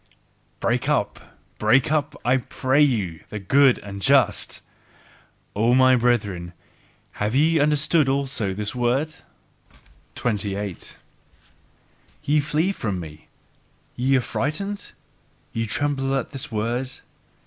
BREAK UP, BREAK UP, I PRAY YOU, THE GOOD AND JUST! O my brethren, have ye understood also this word? 28. Ye flee from me? Ye are frightened? Ye tremble at this word?